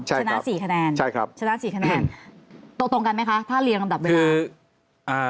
ชนะ๔คะแนนชนะ๔คะแนนตรงกันไหมคะถ้าเรียนกำดับเวลา